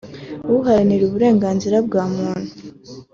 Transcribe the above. Uharanira uburenganzira bwa muntu